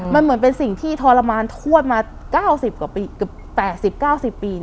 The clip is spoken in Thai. มันเหมือนเป็นสิ่งที่ทรมานทวดมา๙๐เกือบ๘๐๙๐ปี